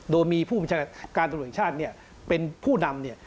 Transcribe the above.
โดนมีผู้มิชาการศัตรูเองชาติเป็นผู้นำ